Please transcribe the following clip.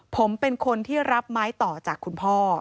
ผมเป็นคนที่รับไม้ต่อจากคุณพ่อ